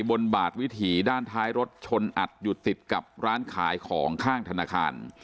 บนบาดวิถีด้านท้ายรถชนอัดอยู่ติดกับร้านขายของข้างธนาคาร